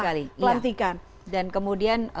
pelantikan dan kemudian